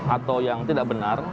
atau yang tidak benar